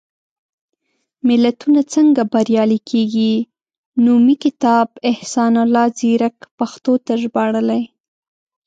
ملتونه څنګه بریالي کېږي؟ نومي کتاب، احسان الله ځيرک پښتو ته ژباړلی.